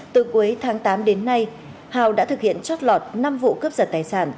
từ cuối tháng tám đến nay hào đã thực hiện trót lọt năm vụ cướp giật tài sản